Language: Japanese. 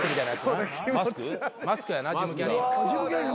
『マスク』やなジム・キャリーの。